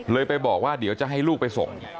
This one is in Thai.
ไปบอกว่าเดี๋ยวจะให้ลูกไปส่ง